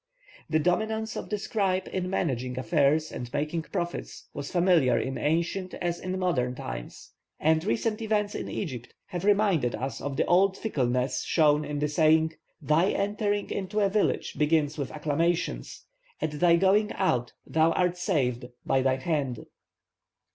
The dominance of the scribe in managing affairs and making profits was familiar in ancient as in modern times. And recent events in Egypt have reminded us of the old fickleness shown in the saying, 'Thy entering into a village begins with acclamations; at thy going out thou art saved by thy hand.'